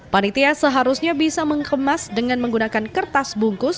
panitia seharusnya bisa mengemas dengan menggunakan kertas bungkus